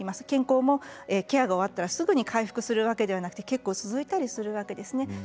健康もケアが終わったらすぐに回復するわけではなく結構続いたりするわけです。